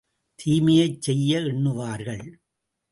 தீமையைச் செய்ய எண்ணுவார்கள்.